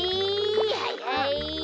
はいはい。